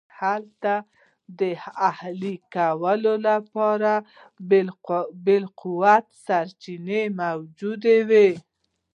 هلته د اهلي کولو لپاره بالقوه سرچینې موجودې وې